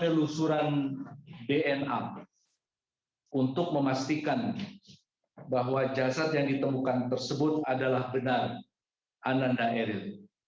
penelusuran dna untuk memastikan bahwa jasad yang ditemukan tersebut adalah benar ananda eril